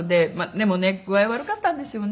でもね具合悪かったんですよね。